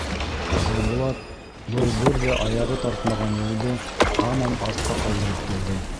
Айбулат был бер ҙә аяғы тартмаған юлды һаман артҡа ҡалдырып килде: